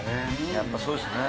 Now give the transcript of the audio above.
やっぱそうですよね。